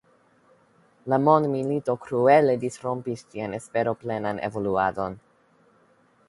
La mondmilito kruele disrompis ĝian esperoplenan evoluadon.